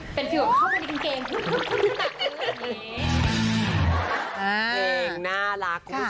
เออเป็นฟิล์มเข้าไปในกางเกงปุ๊บปากปุ๊บปาก